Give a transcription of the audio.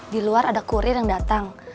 di luar ada kurir yang datang